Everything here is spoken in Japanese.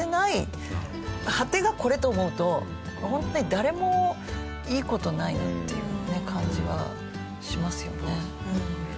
果てがこれと思うとホントに誰もいい事ないなっていう感じはしますよね。